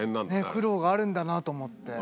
苦労があるんだなと思って。